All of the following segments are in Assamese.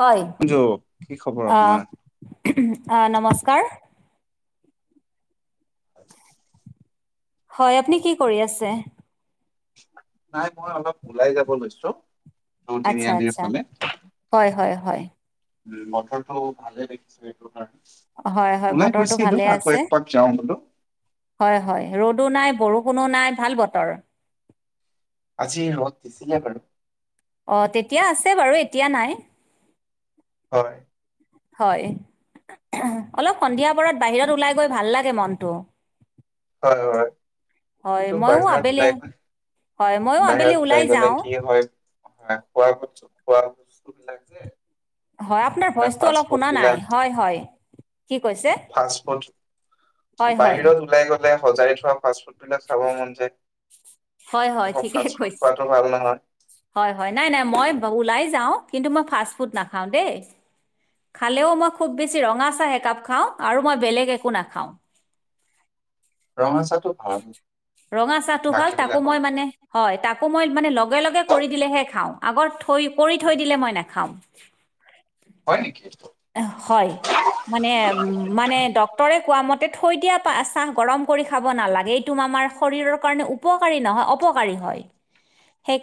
হয়, অঞ্জু কি খবৰ আপোনাৰ? নমস্কাৰ। হয় [unintelligible] হয়, আপুনি কি কৰি আছে? নাই পোৱা, অলপ ওলাই যাব লৈছো। টো আচ্ছা তিনিআলিৰ আচ্ছা ফালে। হয় হয় হয় বতৰ টো ভালে দেখিছো এক প্ৰকাৰ। হয় হয় ওলাই বতৰটো গৈছিলো ভালে আছে আকৌ এক পাক যাওঁ বোলো। হয়, হয় ৰ'দো নাই বৰষুণো নাই ভাল বতৰ। আজি ৰ'দ দিছিলে বাৰু। অ' তেতিয়া আছিলে বাৰু এতিয়া নাই। হয়। হয়। অলপ সন্ধিয়া পৰত বাহিৰত ওলাই গৈ ভাল লাগে মনটো। হয়, হয়। হয় কিন্তু ময়ো বাহিৰত আবেলি ওলাই গৈ, হয় ময়ো আবেলি বাহিৰত ওলাই গ'লে যাওঁ কি হয়। খোৱা পাছত খোৱাৰ বস্তু বোৰ ধাকি থব লাগে [unintelligible] হয় আপোনাৰ ভইচটো অলপ পাসপৰ্ত শুনা নাই বিলাক হয় হয় কি কৈছে হয় [unintelligible] হয় বাহিৰত ওলাই গ'লে সজাই থোৱা ফাষ্টফুড বিলাক খাব মন যায়। হয় হয় আকৌ ঠিকে ফাষ্ট ফুড কৈছে খোৱাতটো ভাল নহয়। হয়, হয়। নাই নাই মই ওলাই যাওঁ কিন্তু মই ফাষ্ট ফুড নাখাওঁ দেই। খালেও মই খুব বেছি ৰঙা চাহ একাপ খাওঁ, আৰু মই বেলেক একো নাখাওঁ। ৰঙা চাহ টো ভাল ৰঙা চাহটো ভাল বাকী তাকো বিলাকত মই কৈ? মানে হয়। তাকো মই লগে লগে কৰি দিলেহে খাওঁ, আগতে কৰি থৈ দিলে মই নাখাওঁ। হয় নেকি এইটো? হয়। মানে মানে ডক্তৰে কোৱা মতে থৈ দিয়া চাহ গৰম কৰি খাব নালাগে। টোম আমাৰ শৰীৰৰ কাৰণে উপকাৰী নহয় অপকাৰী হয়।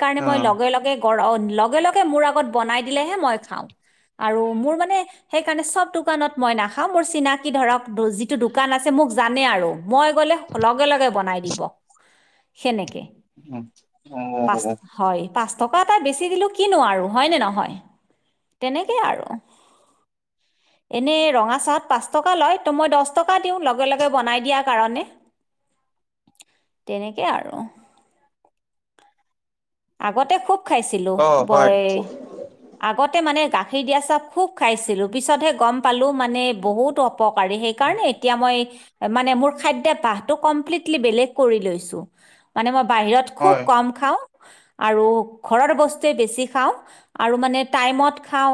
সেই কাৰণে মই অ লগে লগে গৰ, লগে লগে মোৰ আগত বনাই দিলেহে মই খাওঁ। আৰু মোৰ মানে সেইকাৰণে চব দোকানত মই নাখাওঁ, মোৰ চিনাকি ধৰক যিটো দোকান আছে মোক জানে আৰু, মই গ'লে লগে লগে বনাই দি দিব সেনেকে। উ, পাঁচ অ' হয়, পাঁচ টকা অলপ বেছি দিলোঁ, কিনোঁ আৰু। হয় নে নহয়? তেনেকেই আৰু। [inaudible] এনে ৰঙা চাহত পাঁচ টকা লয় ত' মই দহ টকা দিওঁ লগে লগে বনাই দিয়াৰ কাৰণে। [inaudible] তেনেকে আৰু। আগতে খুব খাইছিলোঁ অ', হয়, বয় আগতে মানে গাখীৰ দিয়া চাহ খুব খাইছিলোঁ পিছতহে গম পালোঁ মানে বহুত অ অপকাৰী সেইকাৰণে এতিয়া মই মানে মোৰ খাদ্য বাহটো কমপ্লিটল বেলেগ কৰি লৈছোঁ, মানে মই বাহিৰত খুব হয়, কম খাওঁ আৰু ঘৰৰ বস্তুৱে বেছি খাওঁ। আৰু মানে টাইমত খাওঁ।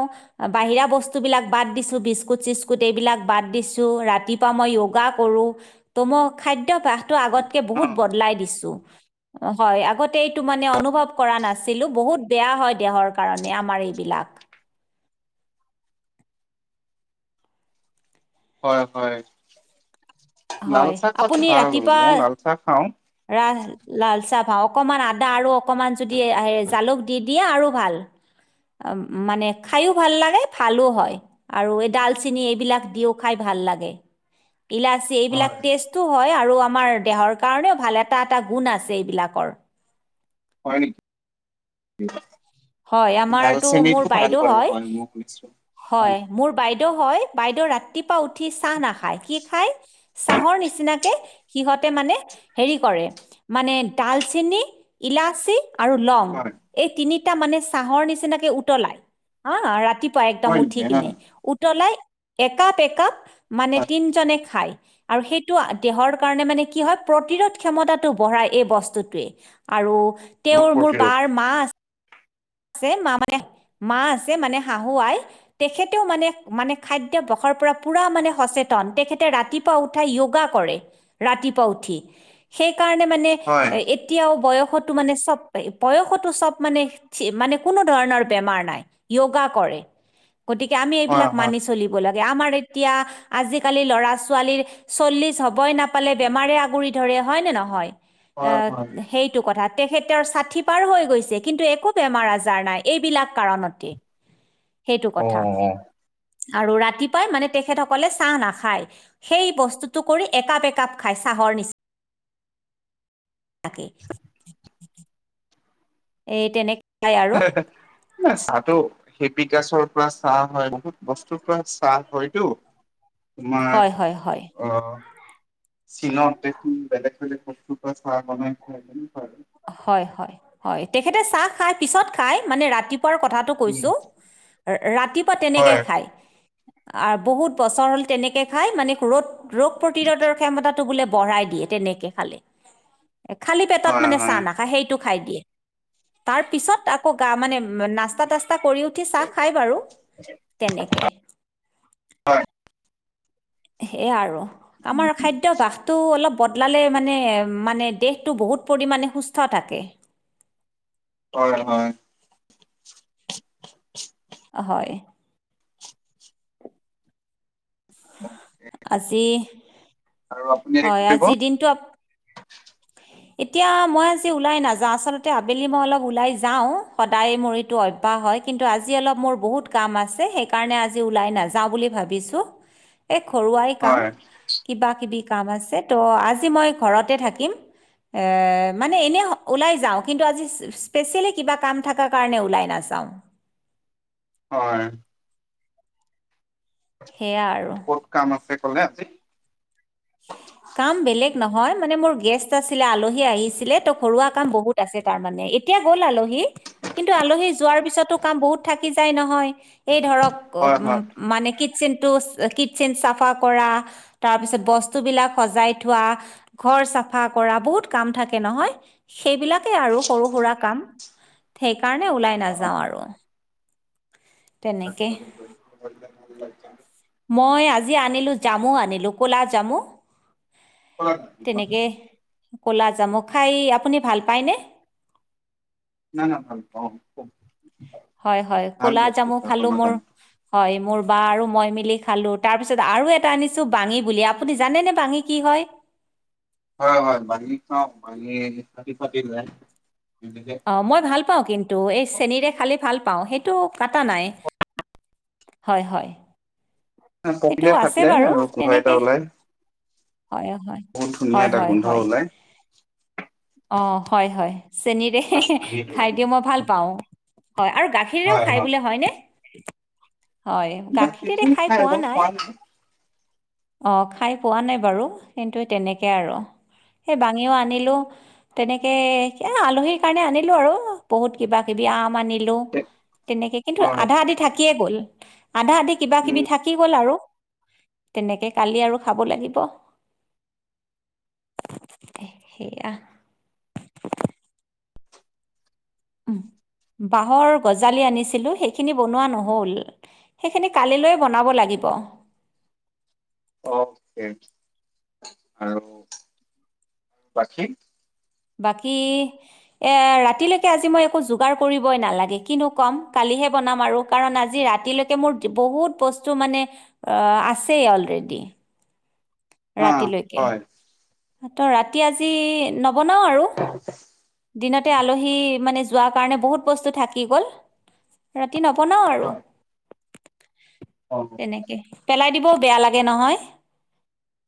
বাহিৰা বস্তুবিলাক বাদ দিছোঁ, বিস্কুট চিস্কুট এইবিলাক বাদ দিছোঁ ৰাতিপুৱা মই য়োগা কৰোঁ। ত' মই খাদ্য ভ্যাসটো আগতকে বহুত অ', বদলাই দিছোঁ, হয় আগতে এই টো মানে অনুভৱ কৰা নাছিলোঁ, বহুত বেয়া হয় দেহৰ কাৰণে আমাৰ এইবিলাক। হয় হয়, লাল হয়, চাহ খোৱাটো ভাল, মই লাল চাহ খাওঁ। ৰাহ লাল চাহ ভা, অকমান আদা আৰু অকমান যদি হে জালুক দি দিয়া আৰু ভাল। আ, মানে খায়ো ভাল লাগে, ভালো হয়। আৰু এই ডাল চিনি এইবিলাক দিও খাই ভাল লাগে। ইলা এইবিলাক হয়, টেষ্টো হয় আৰু আমাৰ দেহৰ কাৰণেও ভাল এটা এটা গুণ আছে এইবিলাকৰ। হয় নেকি? হয় আমাৰটো ডালচেনিটো মোৰ ভাল বাইদেউ বাৰু হয়। [unintelligible] হয় মোৰ বাইদেউ হয়, বাইদেউ ৰাতিপুৱা উঠি চাহ নাখায় কি খায় চাহৰ নিচিনাকে সিহঁতে মানে হেৰি কৰে মানে ডাল চিনি, ইলাচি আৰু লং হয়, এই তিনিটা মানে চাহৰ নিচিনাকে উতলাই হা, ৰাতিপুৱা পুৱা একদম হয় নেকি? উঠি হা, কিনে, উতলাই একাপ একাপ মানে হয়, তিনজনে খায়। আৰু সেইটো দেহৰ কাৰণে কি হয় প্ৰতিৰোধ ক্ষমতাটো বঢ়াই এই বস্তুটোৱে। আৰু ৰোগ তেওঁৰ মোৰ প্ৰতিৰোধ বাৰ মা আছ ছে মা মানে মা আছে মানে শাহু আই। তেখেতেও মানে মানে খাদ্যবসৰ পৰা পুৰা মানে সচেতন, তেখেতে ৰাতি পুৱা উঠাই য়োগা কৰে, ৰাতিপুৱা উঠি সেইকাৰণে মানে হয়, এ, এতিয়াও বয়সতো মানে চব, বয়সতো চব মানে মানে কোনো ধৰণৰ বেমাৰ নাই, য়োগা কৰে গতিকে আমি হয়, এইবিলাক হয়, মানি চলি বই লাগে আমাৰ এতিয়া আজিকালি ল'ৰা ছোৱালী চল্লিশ হ'বই নাপ ফালে বেমাৰে আগুৰি ধৰে হয় নে নহয়। হয়, হয়, সেইটো কথা, তেখেতৰ ষাঠি পাৰ হৈ গৈছে কিন্তু একো বেমাৰ আজাৰ নাই, এইবিলাক কাৰণতে সেইটো কথা। অ', আৰু ৰাতিপুৱাই মানে তেখেতসকলে চাহ নাখায়। সেই বস্তুটো কৰি একাপ একাপ খাই চাহ নিচিন [inaudible] তাকে। এই তেনেকে হয়, হয়। নাই চাহটো হিবিকাছ গছৰ পৰা চাহ হয় বহুত বস্তুৰ পৰা চাহ হয়টো। তোমাৰ হয় হয় হয় অ', চীনত দেখোন বেলেগ বেলেগ বস্তুৰ পৰা চাহ বনাই খায় তেনেকুৱা আৰু। হয়, হয়, হয়, তেখেতে চাহ খায় পিছত খায়, মানে ৰাতিপুৱাৰ কথাটো উম, কৈছো, ৰাতিপুৱা তেনেকে হয়, খায়। আ, বহুত বছৰ হ'ল তেনেকে খায়, মানে ৰোগ ৰোগ প্ৰতিৰোধৰ ক্ষমতাটো বোলে বঢ়াই দিয়ে তেনেকে খালে, খালি পেট ত হয়, মানে চাহ হয়, নাখায়, সেইটো দিয়ে তাৰ পিছত আকৌ গা মানে নাস্তা তাস্তা তা কৰি উঠি চাহ খায় বাৰু, তেনেকে। হয়। সেয়াই আৰু, আমাৰ খাদ্যভাসটো অলপ বদলালে মানে মানে দেহটো বহুত পৰিমাণে সুস্থ থাকে। হয়, হয়। হয়। [inaudible] আজি, আৰু আপুনি এতিয়া কি হয়, কৰিব আজি দিনটো [inaudible] এতিয়া মই আজি ওলাই নাযাওঁ, আচলতে আবেলি মই অলপ ওলাই যাওঁ, সদায় মৰি টো অভ্যাস হয়, কিন্তু আজি মোৰ বহুত কাম আছে সেই কাৰণে আজি ওলাই নাযাওঁ বুলি ভাবিছো। [inaudible] এই ঘৰুৱাই কাম, হয় কিবা কিবি কাম আছে, ত' আজি মই ঘৰতে থাকিম। এ মানে এনেই ওলাই যাওঁ, কিন্তু আজি স্পেচিয়েলি কিবা কাম থকা কাৰণে ওলাই নাযাওঁ। হয়। সেয়া আৰু ক'ত কাম আছে ক'লে আজি? কাম বেলেগ নহয়, মানে মোৰ গেষ্ট আছিলে আলহী আহিছিলে ত' ঘৰুৱা কাম বহুত আছে তাৰমানে, এতিয়া গ'ল আলহী। কিন্তু আলহী যোৱাৰ পিছতো কাম বহুত থাকি যায় নহয়, এই ধৰক হয় হয় মানে কিটচেনটো কিটচেন চাফা কৰা তাৰপিছত বস্তুবিলাক সজাই থোৱা, ঘৰ চাফা কৰা বহুত কাম থাকে নহয়। সেইবিলাকেই আৰু সৰু সুৰা কাম, সেইকাৰণে ওলাই নাযাওঁ আৰু। তেনেকে। মই আজি আনিলোঁ, জামু আনিলোঁ ক'লা জামু। তেনেকে নাই ক'লা জামু খাই আপুনি ভাল পায় নে? নাই নাই ভাল পাওঁ ক হয়, হয়, ক'লা জামু খালোঁ আপোনাৰ মোৰ কামত হয় মোৰ বা আৰু মই মিলি খালো। তাৰপিছত আৰু এটা আনিছো বাঙি বুলি আপুনি জানেনে বাঙি কি হয়? হয়, হয় বাঙি খাওঁ বাঙি ফাটি ফাট যায়। তেনেকে অ' মই ভাল পাওঁ কিন্তু, এই চেনীৰে খালে ভাল পাওঁ, সেইটো কাটা নাই। হয়, হয় সেইটো পকিলে ফাটি আছে যায় বাৰু। আৰু গোন্ধ এটা তেনেকে ওলাই হয়, হয়। বহুত ধুনীয়া হয়, এটা হয়, গোন্ধ হয়। ওলাই অ' হয় হয়, চেনীৰে বাঙিটো খাই দিওঁ মই ভাল পাওঁ, হয় আৰু গা খীৰেও হয় খায় হয় বোলে হয়নে? হয় বাকী গাখীৰেৰে খায় নাই পোৱা মই খোৱা নাই। অঁ খাই পোৱা নাই বাৰু, কিন্তু তেনেকৈ আৰু। সেই বাঙিও আনিলো তেনেকে এ আলহীৰ কাৰণে আনিলো আৰু বহুত কিবা কিবি আম আনি লো। তেনেকে কিন্তু হয় আধা আধি থাকিয়ে গ'ল, আধা আধি কিবা কিবি উম থাকি গ'ল আৰু। তেনেকে কালি আৰু খাব লাগিব। সে সেইয়া। উহঃ বাঁহৰ গজালি আনিছিলোঁ সেইখিনি বনোৱা নহ'ল। সেইখিনি কালিলৈ বনাব লাগিব। অ'কে, আৰু বাকী? বাকী, এ ৰাতিলেকে আজি মই একো যোগাৰ কৰিবই নালাগে কিনো ক'ম কালিহে বনাম আৰু। কাৰণ আজি ৰাতিলেকে মোৰ বহুত বস্তু মানে আছেই অলৰেডি। হা ৰাতিলৈকে, হয় ত ৰাতি আজি নবনাও আৰু। [unintelligible] দিনতে আলহী মানে যোৱাৰ কাৰণে বহুত বস্তু থাকি গ'ল। ৰাতি নবনাও আৰু। হয় অ অ। তেনেকে, পেলাই দিবও বেয়া লাগে নহয়‌।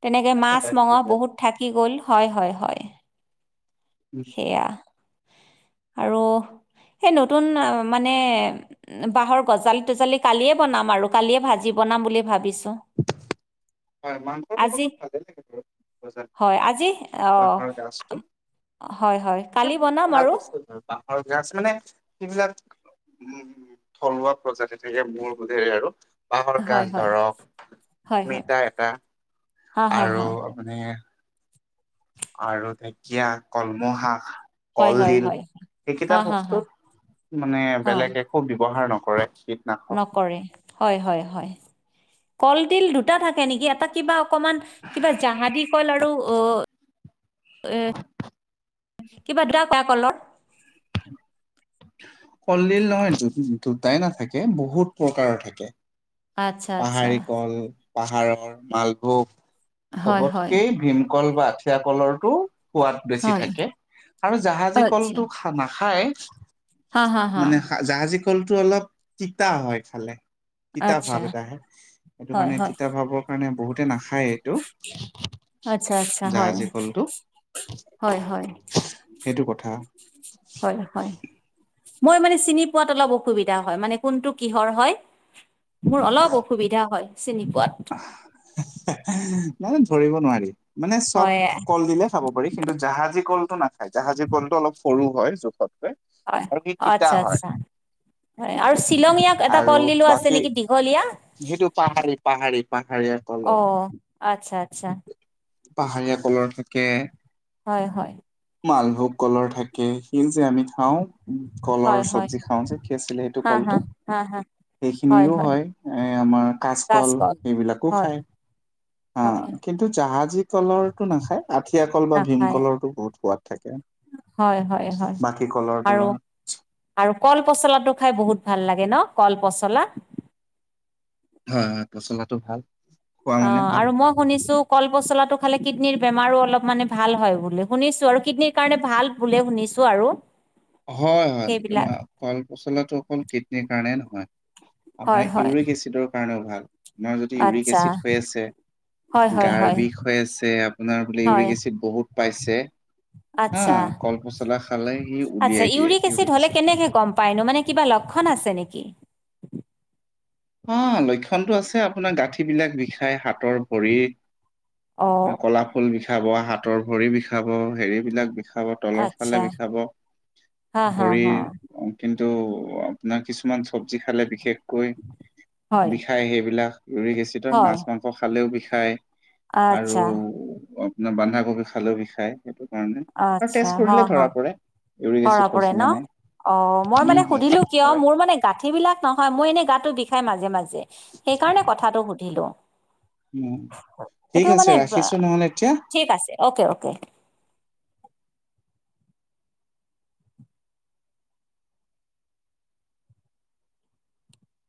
তেনেকে মাছ, লাগিব মঙহ বেয়া বহুত থাকি গ'ল, হয় হয় হয়। লাগে। সেইয়া। আৰু সেই নতুন মানে বাঁহৰ গজালি তজালি কালিয়ে বনাম আৰু কালিয়ে ভাজি বনাম বুলি ভাবিছোঁ। [unintelligible] হয় মাংসৰ আজি লগতো ভালেই লাগে বাৰু গজালি, হয় আজি অঁ বাঁহৰ গাজটো। হয় হয়। আৰু কালি বনাম সেইবিলাক ভাল আৰু বস্তু ধৰ বাঁহৰ গাজ, মানে সেইবিলাক উম উম, থলুৱা প্ৰজাতি থাকে মোৰ বোধেৰে আৰু। বাঁহৰ হয় গাজ হয় ধৰক, হয় হয় অমিতা এটা হা হা আৰু হা মানে আৰু ঢেকীয়া কলমৌশাক হয় কল হয় দিল হয় সেইকেইটা হা হা হা বস্তুত মানে হা বেলেগ একো ব্যৱহাৰ নকৰে কীটনাশক। নকৰে হয় হয় হয়। কলদিল দুটা থাকে নেকি এটা কিবা অকমান কিবা জাহাজি কল আৰু এ কিবা [unintelligible] কলত কলডিল নহয় দুটাই নাথাকে বহুত প্ৰকাৰৰ থাকে। আচ্ছা আচ্ছা পাহাৰী কল পাহাৰৰ, মালভোগ হয় হয় চবতকে ভীমকল বা আঠিয়া কলৰটো সোৱাদ বেছি হয় থাকে, আৰু জাহাজী আচ্ছা কলটো খা নাখায়। হা হা হা মানে জাহাজী কলটো অলপ তিতা হয় খালে তিতা আচ্ছা ভাৱ আহে সেইটো হয় কাৰণে হয় তিয়া ভাৱক কাৰণে বহুতে নাখায় এইটো আচ্ছা আচ্ছা হয় জাহজী কলটো। হয়, হয়, সেইটো কথা হয়, হয়। মই মানে চিনি পোৱাত অলপ অসুবিধা হয়, মানে কোনটো কিহৰ হয়। মোৰ অলপ অসুবিধা হয় চিনি পোৱাত। মানে ধৰিব নোৱাৰি মানে চব হয় কল দিলে খাব পাৰি। কিন্তু জাহাজী কলটো নাখায়, জাহাজী কলটো অলপ সৰু হয় জোখতকৈ। হয় আৰু সি তিতা আচ্ছা, হয় আচ্ছা হয় আৰু শ্বিলঙীয়া এটা আৰু কলডিলো আছে বাকী নেকি দী হলিয়া। সেইটো পাহাৰি পাহাৰি পাহাৰীয়ী অ কলৰ। আচ্ছা, আচ্ছা। পাহাৰীয়া কলৰ থাকে। হয়, হয়। মালভোগ কলৰ থাকে। সেই যে আমি খাও হয় কলৰ হয় চব্জি খাও যে কি আছিলে সেইটো হা হা কলটো। হা, হা। সেইখিনিৰো হয় এই আমাৰ কাচকল এইবিলাকো হয় খায়। হা হয় কিন্তু জাহাজী কলৰটো নাখায় আঠিয়া কল বা নাখায় ভীমকলৰো বহুত সোৱাদ থাকে। হয়, হয় বাকী কলৰ আৰু তুলনাত আৰু কল পচলাটো খাই বহুত ভাল লাগে ন কল পচলা। হয়, হয় পচলাটো ভাল। খোৱা মানে অ', ভাল আৰু মই শুনিছো কল পচলাটো খালে কিডনীৰ বেমাৰো অলপ মানে ভাল হয় বুলি শুনিছোঁ আৰু কিডনীৰ কাৰণে ভাল বোলে শুনিছোঁ আৰু। হয়, হয়, সেইবিলাক কল পচলাটো অকল কিডনীৰ কাৰণে নহয়। হয় আপোনাৰ হয় ইউৰিক এচিডৰ কাৰণেও ভাল আপোনাৰ যদি ইউৰিক আচ্ছা এচিড হৈ আছে হয় হয় গাৰ হয় বিষ হৈ আছে আপোনাৰ বোলে হয় ইউৰিক এচিড বহুত পাইছে হ আচ্ছা কল পচলা খালে সি আচ্ছা উলিয়াই দিয়ে ইউৰিক এচিড হ'লে এচিডটো। কেনেকৈ গ'ম পায়নো মানে কিবা লক্ষণ আছে নেকি? অ', আছে আপোনাৰ গাঁঠ বিলাক হাতৰ ভৰিৰ। অ কলা ফুল বিষাব হাতৰ ভৰি বিষাব হেৰিবলাক বিষ বিষাভ তলৰ আচ্ছা ফালে বিষাব হা হা ভৰি হা অ', কিন্তু আপোনাৰ কিছুমান চব্জি খালে বিশেষকৈ হয় বিষায় সেইবিলাক ইউৰিক এচিডৰ হয় মাছ মাংস খালেও বিষায়। আচ্ছা, আৰু আপোনাৰ বন্ধাকবি খালেও বিষাই। আচ্ছা হা, হা। ইউৰিক ধৰা এচিড পৰে হৈছে নে ন নাই অ', মই উম মানে সুধিলো কিয় হয় মোৰ মানে গাঠি বিলাক নহয় মই এনেই গাটো বিষাই মাজে, মাজে সেইকাৰণে কথাটো সুধিলো। উ এইটো ঠিক আছে মানে আ, ৰাখিছো নহ'লে এতিয়া। ঠিক আছে, অ'কে, অ'কে।